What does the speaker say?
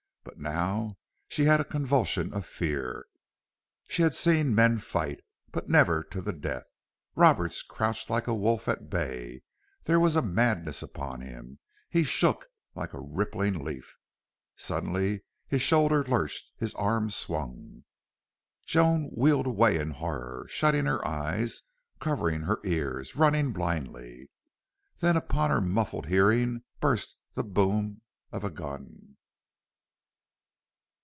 But now she had a convulsion of fear. She had seen men fight, but never to the death. Roberts crouched like a wolf at bay. There was a madness upon him. He shook like a rippling leaf. Suddenly his shoulder lurched his arm swung. Joan wheeled away in horror, shutting her eyes, covering her ears, running blindly. Then upon her muffled hearing burst the boom of a gun.